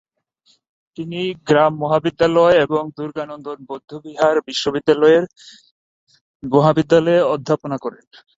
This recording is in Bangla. তিনি গ্যুমে মহাবিদ্যালয়ে ও দ্গা'-ল্দান বৌদ্ধবিহার বিশ্ববিদ্যালয়ের ব্যাং-র্ত্সে মহাবিদ্যালয়ে অধ্যাপনা করেন।